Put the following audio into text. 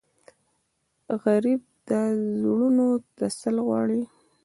غریب د زړونو تسل غواړي